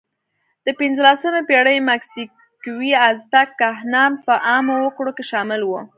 د پینځلسمې پېړۍ مکسیکويي آزتک کاهنان په عامو وګړو کې شامل وو.